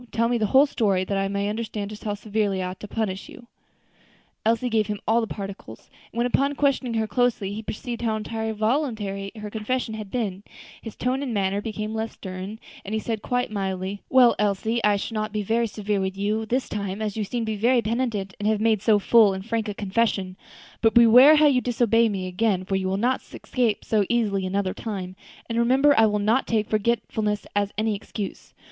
tell me the whole story, that I may understand just how severely I ought to punish you." Elsie gave him all the particulars; and when, upon questioning her closely, he perceived how entirely voluntary her confession had been, his tone and manner became less stern, and he said quite mildly, "Well, Elsie, I shall not be very severe with you this time, as you seem to be very penitent, and have made so full and frank a confession; but beware how you disobey me again, for you will not escape so easily another time; and remember I will not take forgetfulness as any excuse.